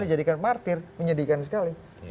dijadikan martir menyedihkan sekali